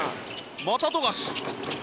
また富樫。